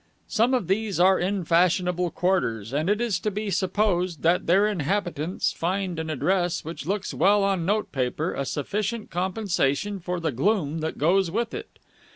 Some of these are in fashionable quarters, and it is to be supposed that their inhabitants find an address which looks well on note paper a sufficient compensation for the gloom that goes with it.